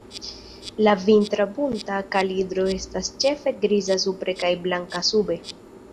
La vintra Bunta kalidro estas ĉefe griza supre kaj blanka sube.